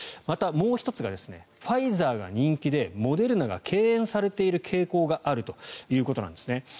また、もう１つがファイザーが人気でモデルナが敬遠されている傾向があるということです。